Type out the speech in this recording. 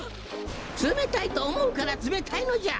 つめたいとおもうからつめたいのじゃ！